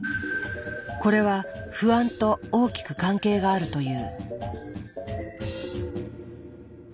これは「不安」と大きく関係があるという。